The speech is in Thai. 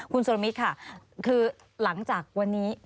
คุณสุรมิตรค่ะคือหลังจากวันนี้